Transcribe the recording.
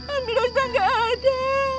amirosa gak ada